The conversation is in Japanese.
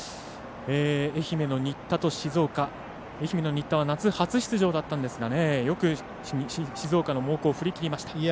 愛媛の新田と静岡愛媛の新田は夏は初出場だったんですがよく静岡の猛攻を振り切りました。